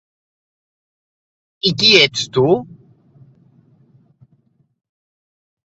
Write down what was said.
I qui ets tu?